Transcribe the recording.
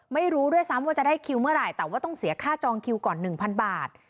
ไม่รู้ด้วยซ้ำว่าจะได้คิวเมื่อไหร่แต่ว่าต้องเสียค่าจองคิวก่อน๑๐๐บาท